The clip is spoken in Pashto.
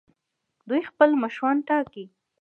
دوی خپل مشران ټاکي.